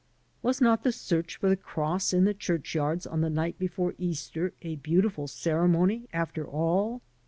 Was not the search for the cross in the churchyards on the night before Easter a beautiful ceremony, after all?